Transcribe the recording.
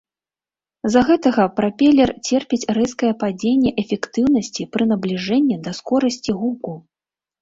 З-за гэтага прапелер церпіць рэзкае падзенне эфектыўнасці пры набліжэнні да скорасці гуку.